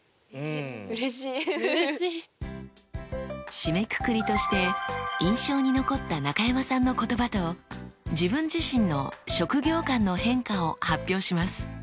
締めくくりとして印象に残った中山さんの言葉と自分自身の職業観の変化を発表します。